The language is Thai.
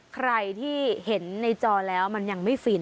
ใครที่เห็นในจอแล้วมันยังไม่ฟิน